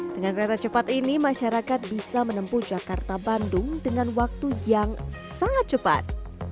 dengan kereta cepat ini masyarakat bisa menempuh jakarta bandung dengan waktu yang sangat cepat